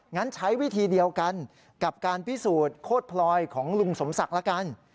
งั้นใช้วิธีเดียวกันกับการพิสูจน์โคตรพลอยของลุงสมศักดิ์ละกัน